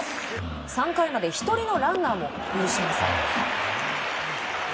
３回まで１人のランナーも許しません。